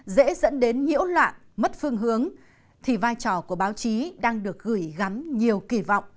dễ dẫn đến nhiễu loạn mất phương hướng thì vai trò của báo chí đang được kết thúc